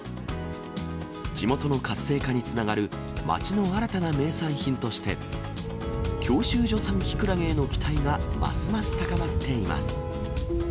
地元の活性化につながる、町の新たな名産品として、教習所産キクラゲへの期待がますます高まっています。